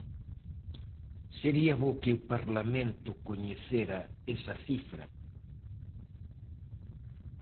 Sería bo que o Parlamento coñecera esa cifra.